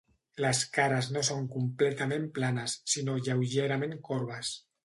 Les cares no són completament planes, sinó lleugerament corbes.